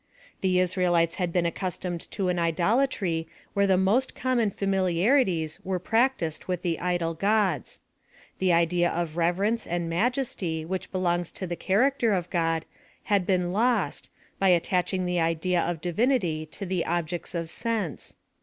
The Israelites had been accustomed to an idolatry where the most common familiarities where practised with the idol gods. The idea of reverence and majesty which be longs 10 the character of God, had bten lost, by attaching the idea of divinity to the objects of sense.